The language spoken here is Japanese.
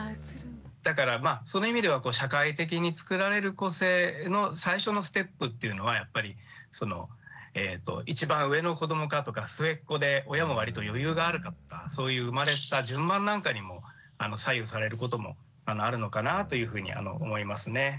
だからその意味では社会的に作られる個性の最初のステップっていうのはやっぱり一番上の子どもかとか末っ子で親も割と余裕があるかとかそういう生まれた順番なんかにも左右されることもあるのかなというふうには思いますね。